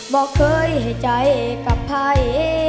บอกเคยให้ใจกับภัย